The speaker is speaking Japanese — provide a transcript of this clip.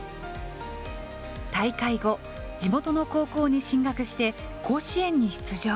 大会後、地元の高校に進学して、甲子園に出場。